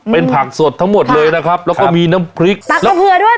เป็นผักสดทั้งหมดเลยนะครับแล้วก็มีน้ำพริกตักน้ำเกลือด้วย